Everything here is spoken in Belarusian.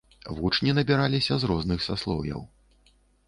Вучні набіраліся з розных саслоўяў.